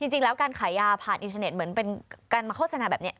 จริงแล้วการขายยาผ่านอินเทอร์เน็ตเหมือนเป็นการมาโฆษณาแบบนี้